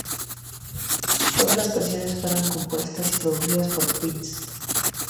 Todas las canciones fueron compuestas y producidas por Prince.